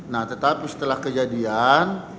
nah tetapi setelah kejadian